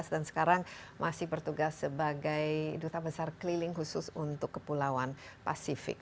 dan sekarang masih bertugas sebagai duta besar keliling khusus untuk kepulauan pasifik